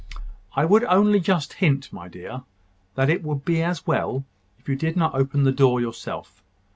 "I would only just hint, my dear, that it would be as well if you did not open the door yourself.